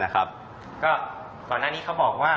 ก็ก่อนหน้านี้เขาบอกว่า